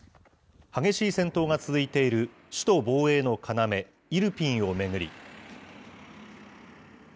激しい戦闘が続いている首都防衛の要、イルピンを巡り。